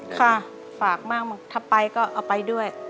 ค่ะฝากมากถ้าไปก็เอาไปด้วย